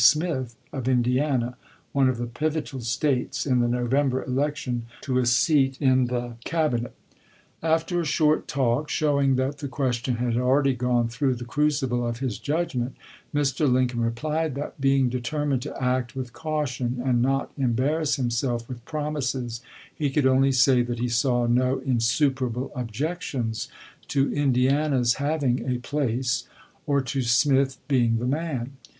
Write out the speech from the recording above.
Smith, of Indiana, one of the "pivotal States " in the November election, to a seat in the R istn^ 1 3 i §:S; fp CALEB 15. SMITH. LINCOLN'S CABINET 353 Cabinet. After a short talk, showing that the ques tion had already gone through the crucible of his judgment, Mr. Lincoln replied that, being deter mined to act with caution and not embarrass him self with promises, he could only say that he saw no insuperable objections to Indiana's having a place, or to Smith being the man.